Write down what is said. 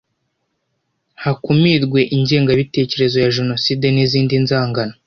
hakumirwe ingengabitekerezo ya genocide n izindi nzangano